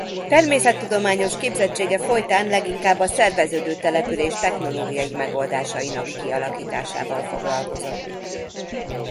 Természettudományos képzettsége folytán leginkább a szerveződő település technológiai megoldásainak kialakításával foglalkozott.